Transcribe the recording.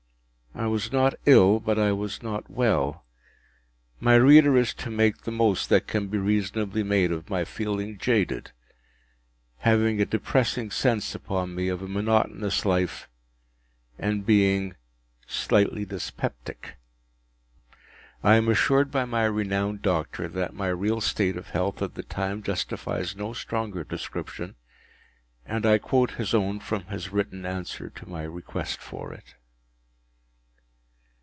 I was not ill, but I was not well. My reader is to make the most that can be reasonably made of my feeling jaded, having a depressing sense upon me of a monotonous life, and being “slightly dyspeptic.” I am assured by my renowned doctor that my real state of health at that time justifies no stronger description, and I quote his own from his written answer to my request for it.